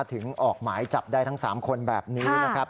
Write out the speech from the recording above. ออกหมายจับได้ทั้ง๓คนแบบนี้นะครับ